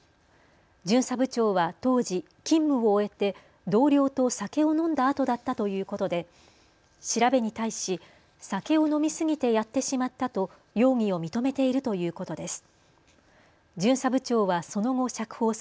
巡査部長は当時、勤務を終えて同僚と酒を飲んだあとだったということで調べに対し酒を飲み過ぎてやってしまったと容疑を認めているということです。